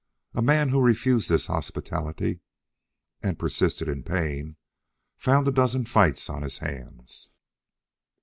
A man who refused this hospitality, and persisted in paying, found a dozen fights on his hands.